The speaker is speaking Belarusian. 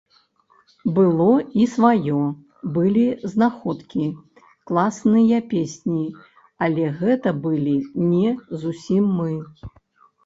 Было і сваё, былі знаходкі, класныя песні, але гэта былі не зусім мы.